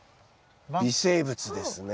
微生物ですね。